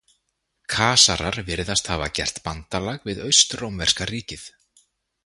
Kasarar virðast hafa gert bandalag við Austrómverska ríkið.